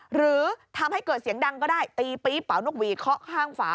หรือทำให้เกิดเสียงดังก็ได้ตีปี๊บเป่านกหวีเคาะข้างฝา